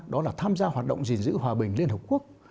đó là tham gia hoạt động diện sử hòa bình liên hợp quốc